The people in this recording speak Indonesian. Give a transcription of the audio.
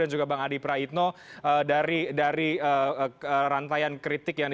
yang dibangun itu adalah semangat mempersatukan